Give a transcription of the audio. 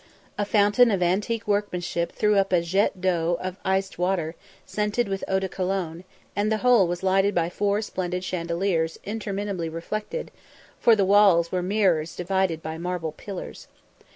A fountain of antique workmanship threw up a jet d'eau of iced water, scented with eau de Cologne; and the whole was lighted by four splendid chandeliers interminably reflected, for the walls were mirrors divided by marble pillars.